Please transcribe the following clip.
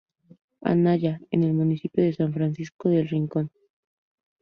Anaya en el municipio de San Francisco del Rincón.